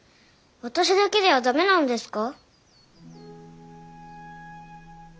私だけでは駄目なのですか。